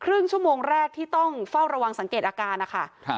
ครึ่งชั่วโมงแรกที่ต้องเฝ้าระวังสังเกตอาการนะคะ